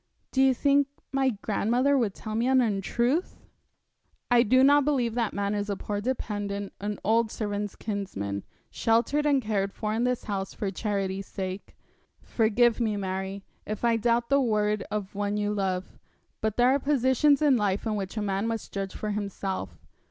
'Do you think my grandmother would tell me an untruth?' 'I do not believe that man is a poor dependent, an old servant's kinsman, sheltered and cared for in this house for charity's sake. Forgive me, Mary, if I doubt the word of one you love; but there are positions in life in which a man must judge for himself.